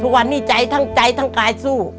ทุกวันนี้ใจทั้งใจทั้งกายสู้